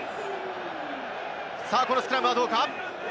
このスクラムはどうか？